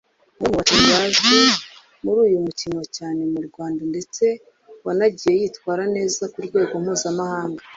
umwe mu bakinnyi bazwi muri uyu mukino cyane mu Rwanda ndetse wanagiye yitwara neza ku rwego mpuzamahanga